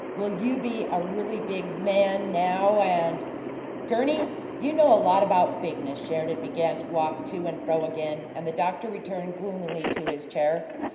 "Will you be a really big man now and " "Gurney, you know a lot about bigness!" Sheridan began to walk to and fro again, and the doctor returned gloomily to his chair.